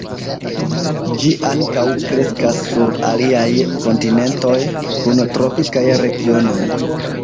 Ĝi ankaŭ kreskas sur aliaj kontinentoj kun tropikaj regionoj.